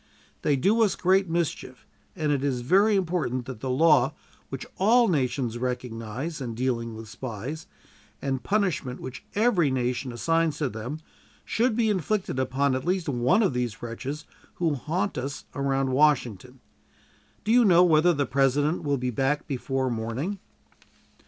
They do us great mischief; and it is very important that the law which all nations recognize in dealing with spies, and the punishment which every nation assigns to them, should be inflicted upon at least one of these wretches who haunt us around Washington. Do you know whether the President will be back before morning?"